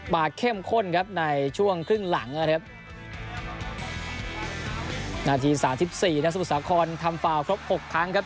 มาเข้มข้นครับในช่วงครึ่งหลังนะครับ